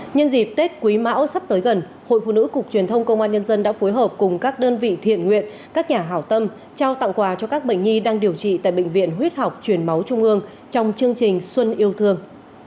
nhân dịp tết quý mão sắp tới gần hội phụ nữ cục truyền thông công an nhân dân đã phối hợp cùng các đơn vị thiện nguyện các nhà hảo tâm trao tặng quà cho các bệnh nhi đang điều trị tại bệnh viện huyết học truyền máu trung ương trong chương trình xuân yêu thương